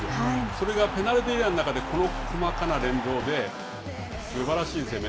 それがペナルティーエリアの中でこの細かな連動で、すばらしいですね。